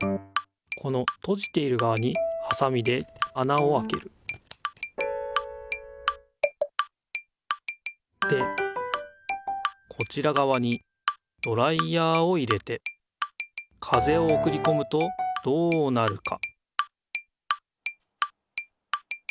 このとじているがわにはさみであなをあけるでこちらがわにドライヤーを入れて風をおくりこむとどうなるか？